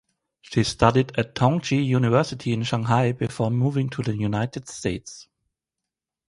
She studied at Tongji University in Shanghai before moving to the United States.